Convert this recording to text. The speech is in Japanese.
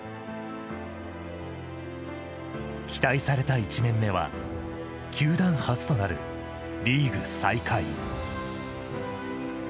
期待された１年目は球団初となるリーグ最下位。